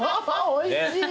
おいしい。